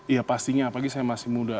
iya pastinya apalagi saya masih muda